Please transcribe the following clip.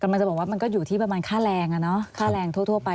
กำลังจะบอกว่ามันก็อยู่ที่ประมาณค่าแรงอ่ะเนาะค่าแรงทั่วไป